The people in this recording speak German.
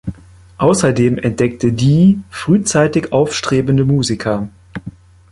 Außerdem entdeckte Dee frühzeitig aufstrebende Musiker.